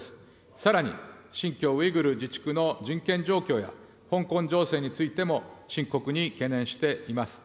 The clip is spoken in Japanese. さらに、新疆ウイグル自治区の人権状況や香港情勢についても深刻に懸念しています。